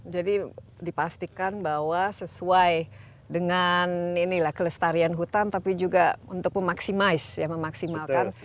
jadi dipastikan bahwa sesuai dengan inilah kelestarian hutan tapi juga untuk memaksimalkan